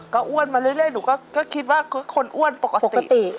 ก็อ้วนมาเรื่อยหนูก็คิดว่าคือคนอ้วนปกติ